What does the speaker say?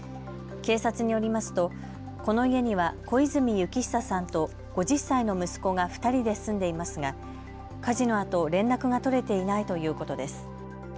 警察によりますとこの家には小泉征久さんと５０歳の息子が２人で住んでいますが火事のあと連絡が取れていないということです。